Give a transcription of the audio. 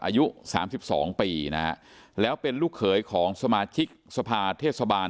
อายุสามสิบสองปีนะฮะแล้วเป็นลูกเขยของสมาชิกสภาเทศบาล